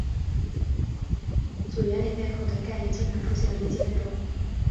祖暅原理背后的概念经常出现在微积分中。